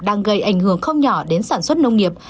đang gây ảnh hưởng không nhỏ đến sản xuất nông nghiệp